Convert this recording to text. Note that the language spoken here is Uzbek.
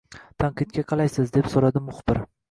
— Tanqidga qalaysiz? – deb so’radi muxbir.